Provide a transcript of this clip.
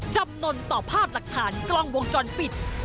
จำนวนต่อภาพหลักฐานกล้องวงจรปิด